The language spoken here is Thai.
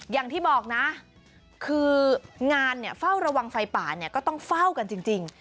อย่างที่บอกนะคืองานเฝ้าระวังไฟป่าเนี่ยก็ต้องเฝ้ากันจริง